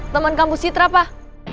temen kampus citra pak